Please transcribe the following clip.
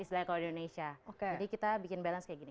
jadi kita bikin balance kayak gini